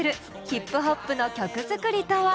ヒップホップの曲作りとは？